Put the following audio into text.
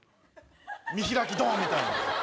見開きどんみたいな。